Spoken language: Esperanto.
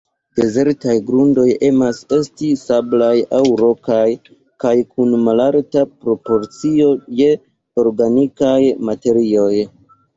Dezertaj grundoj emas esti sablaj aŭ rokaj, kaj kun malalta proporcio je organikaj materioj.